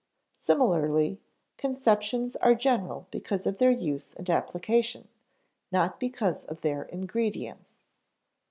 Similarly, conceptions are general because of their use and application, not because of their ingredients.